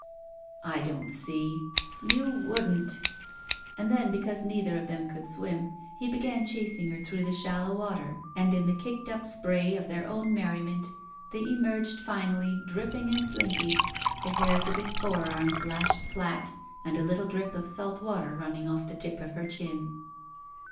"I don't see—" "You— wouldn't." .^ And then, because neitii&t.pi them could swim, he 128 THE VERTICAL CITY began chasing her through shallow water, and in the kicked up spray of their own merriment they emerged finally, dripping and slinky, the hairs of his forearms lashed flat, and a little drip of salt water running off the tip of her chin.